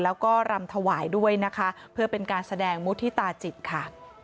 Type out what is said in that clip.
แล้วก็รำถวายด้วยนะคะเพื่อเป็นการแสดงมุฒิตาจิตค่ะ